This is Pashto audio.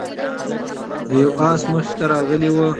د یو آس مخې ته راغلی و،